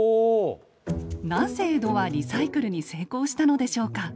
なぜ江戸はリサイクルに成功したのでしょうか？